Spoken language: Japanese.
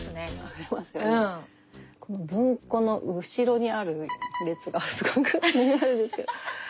この文庫の後ろにある列がすごく気になるんですけど。